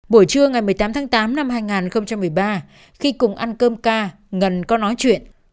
buổi trưa ngày một mươi tám tháng tám năm hai nghìn một mươi ba khi cùng ăn cơm ca ngân có nói chuyện